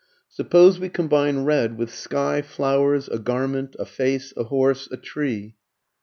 Suppose we combine red with sky, flowers, a garment, a face, a horse, a tree.